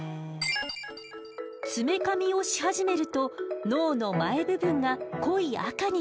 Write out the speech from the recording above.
爪かみをし始めると脳の前部分が濃い赤になったでしょ。